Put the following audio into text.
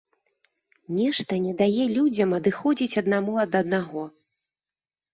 Нешта не дае людзям адыходзіць аднаму ад аднаго.